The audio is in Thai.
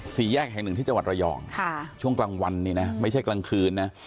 สี่แยกแห่งหนึ่งที่จังหวัดระยองช่วงกลางวันนี่นะไม่ใช่กลางคืนนะ